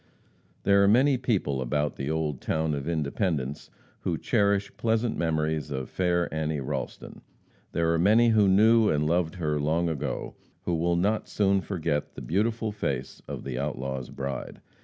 There are many people about the old town of Independence who cherish pleasant memories of fair Annie Ralston. There are many who knew and loved her long ago, who will not soon forget the beautiful face of the outlaw's bride.